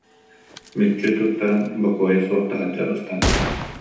Мүччү туттаран, бокуойа суох таһырдьа ыстанна